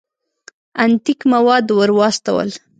انتیک مواد ور واستول.